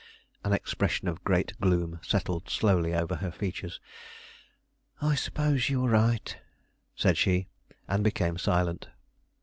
An expression of great gloom settled slowly over her features. "I suppose you are right," said she, and became silent.